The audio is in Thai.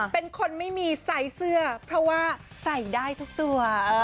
เป็นคนไม่มีใส่เสื้อเพราะว่าใส่ได้ทุกตัว